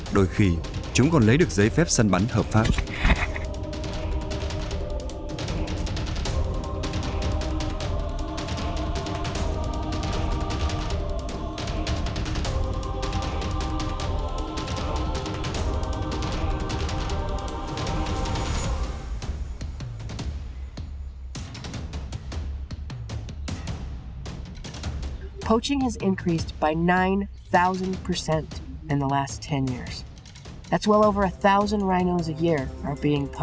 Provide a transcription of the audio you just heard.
đôi khi chúng còn lấy được giấy phép săn bắn hợp pháp